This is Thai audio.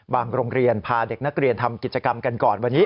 โรงเรียนพาเด็กนักเรียนทำกิจกรรมกันก่อนวันนี้